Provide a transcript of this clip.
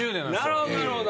なるほどなるほど。